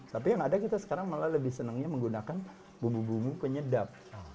tapi yang ada kita sekarang malah lebih senangnya menggunakan bumbu bumbu penyedap